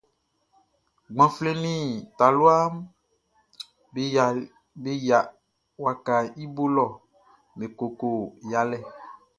Gbanflɛn nin talua mun be yia wakaʼn i bo lɔ be koko yalɛ.